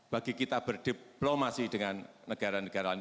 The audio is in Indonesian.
bagi kita berdiplomasi dengan negara negara lain